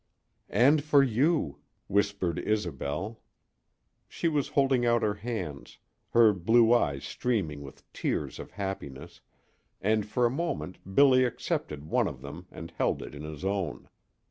"And for you," whispered Isobel. She was holding out her hands, her blue eyes streaming with tears of happiness, and for a moment Billy accepted one of them and held it in his own.